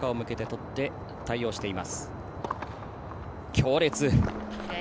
強烈。